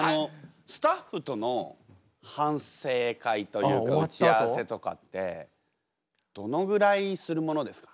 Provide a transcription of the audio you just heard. スタッフとの反省会というか打ち合わせとかってどのぐらいするものですか？